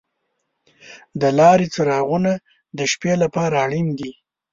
د لارې څراغونه د شپې لپاره اړین دي.